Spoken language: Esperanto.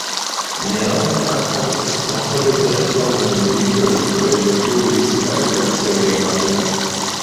Nelonge antaŭ eksplodo de la Dua mondmilito li forveturis al Nazia Germanio.